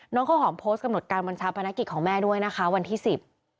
น้องเขาหอมโพสต์กำหนดการบัญชาภารกิจของแม่ด้วยนะคะวันที่๑๐